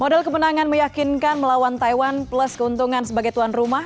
model kemenangan meyakinkan melawan taiwan plus keuntungan sebagai tuan rumah